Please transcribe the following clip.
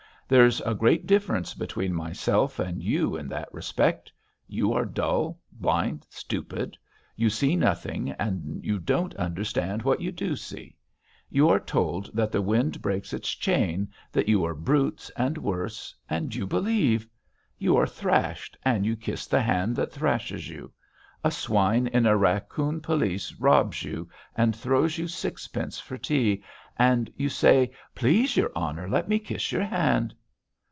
There's a great difference between myself and you in that respect. You are dull, blind, stupid, you see nothing, and you don't understand what you do see. You are told that the wind breaks its chain, that you are brutes and worse, and you believe; you are thrashed and you kiss the hand that thrashes you; a swine in a raccoon pelisse robs you, and throws you sixpence for tea, and you say: 'Please, your Honour, let me kiss your hand.'